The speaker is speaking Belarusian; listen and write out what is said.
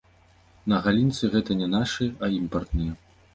На галінцы гэта не нашы, а імпартныя.